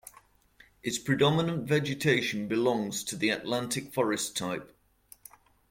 Its predominant vegetation belongs to the Atlantic Forest type.